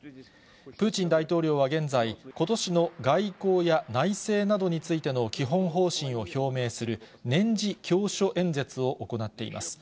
プーチン大統領は現在、ことしの外交や内政などについての基本方針を表明する年次教書演説を行っています。